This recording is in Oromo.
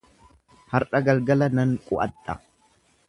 Har'a galgala nan qu'adha.